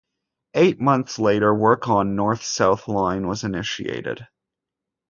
Eight months later, work on North-South line was initiated.